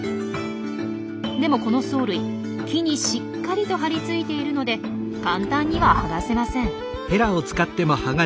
でもこの藻類木にしっかりと張り付いているので簡単にはがせません。